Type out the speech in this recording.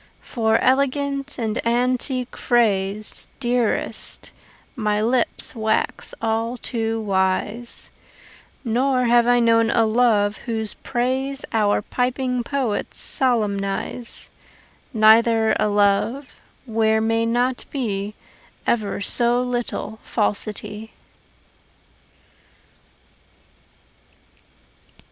For elegant and antique phrase, Dearest, my lips wax all too wise; Nor have I known a love whose praise Our piping poets solemnize, Neither a love where may not be Ever so little falsity.